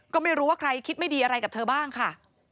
ก็ไม่รู้ว่าใครคิดไม่ดีอะไรกับเธอบ้างค่ะ